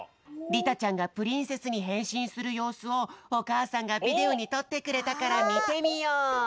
りたちゃんがプリンセスにへんしんするようすをおかあさんがビデオにとってくれたからみてみよう。